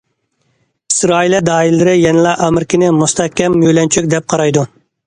ئىسرائىلىيە دائىرىلىرى يەنىلا ئامېرىكىنى« مۇستەھكەم يۆلەنچۈك» دەپ قارايدۇ.